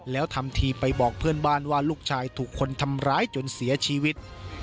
แล้วทำทีไปบอกเพื่อนบ้านว่าลูกชายถูกคนทำร้ายจนเสียชีวิต